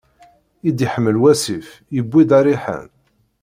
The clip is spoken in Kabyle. I d-iḥmel wassif, yewwi-d ariḥan.